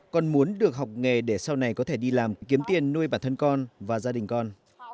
con muốn được học nghề để sau này có thể đi làm kiếm tiền nuôi bản thân con và gia đình con